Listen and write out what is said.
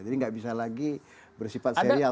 jadi tidak bisa lagi bersifat serial